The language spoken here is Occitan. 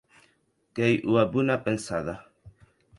Qu’ei ua bona pensada.